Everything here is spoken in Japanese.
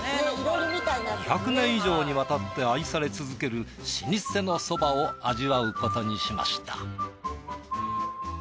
２００年以上にわたって愛され続ける老舗のそばを味わうことにしました。